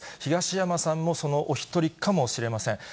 東山さんもそのお１人かもしれません。